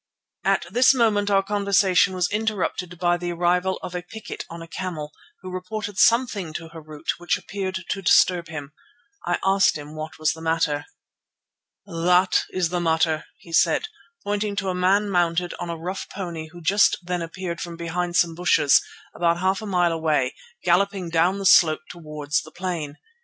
At this moment our conversation was interrupted by the arrival of a picket on a camel, who reported something to Harût which appeared to disturb him. I asked him what was the matter. "That is the matter," he said, pointing to a man mounted on a rough pony who just then appeared from behind some bushes about half a mile away, galloping down the slope towards the plain.